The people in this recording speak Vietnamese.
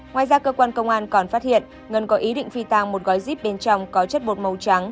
ngoài ra cơ quan công an còn phát hiện ngân có ý định phi tàng một gói íp bên trong có chất bột màu trắng